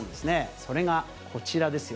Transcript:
それがこちらですよ。